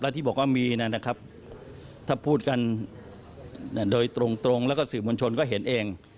ที่บอกว่ามีนะครับถ้าพูดกันโดยตรงแล้วก็สื่อมวลชนก็เห็นเอง